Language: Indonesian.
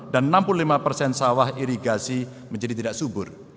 dan enam puluh lima persen sawah irigasi menjadi tidak subur